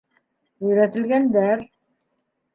Өйрәтелгәндәр!